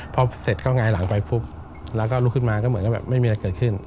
พอเสร็จก็หงายหลังไปปุ๊บแล้วก็ลุกขึ้นมาก็เหมือนกับแบบไม่มีอะไรเกิดขึ้น